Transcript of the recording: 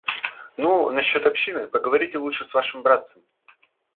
Ну, насчет общины, поговорите лучше с вашим братцем.